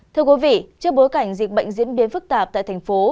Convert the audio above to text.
thưa quý vị trước bối cảnh dịch bệnh diễn biến phức tạp tại thành phố